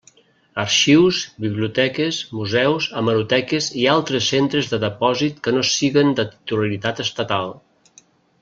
Arxius, biblioteques, museus, hemeroteques i altres centres de depòsit que no siguen de titularitat estatal.